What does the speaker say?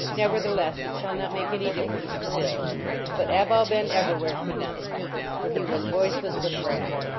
Nevertheless, it shall not make any difference in the bill." But Abou Ben Evrawhair could not speak, for he was voiceless with wrath.